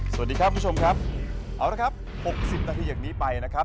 สวัสดีครับคุณผู้ชมครับเอาละครับ๖๐นาทีอย่างนี้ไปนะครับ